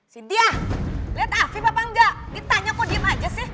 cynthia lihat afif apa enggak ditanya kok diem aja sih